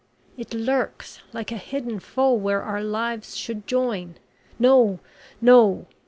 It lurks like a hidden foe where our lives should join... No, no!